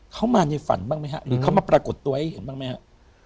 เขามาในฝันบ้างไหมฮะหรือเขามาปรากฏตัวให้เห็นบ้างไหมครับ